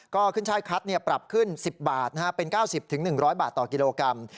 ก็ขึ้นช่ายคัดปรับขึ้น๑๐บาทเป็น๙๐๑๐๐บาทต่อกิโลกรัม